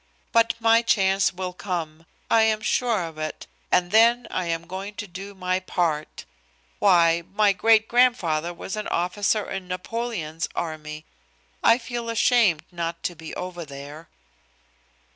But my chance will come. I am sure of it, and then I am going to do my part. Why! my great grandfather was an officer in Napoleon's army. I feel ashamed not to be over there."